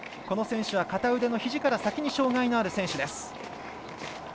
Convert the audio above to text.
この選手は片腕のひじから先に障がいのある選手です。